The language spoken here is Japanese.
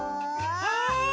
あ！